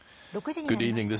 ６時になりました。